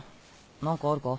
何かあるか？